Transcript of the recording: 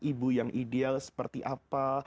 ibu yang ideal seperti apa